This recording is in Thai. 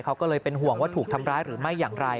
เขาก็เลยเป็นห่วงว่าถูกทำร้ายหรือไม่อย่างไร